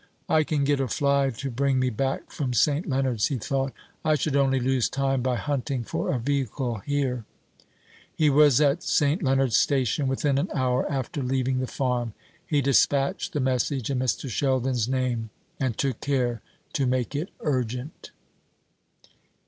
"I can get a fly to bring me back from St. Leonard's" he thought; "I should only lose time by hunting for a vehicle here." He was at St. Leonards station within an hour after leaving the farm. He despatched the message in Mr. Sheldon's name, and took care to make it urgent.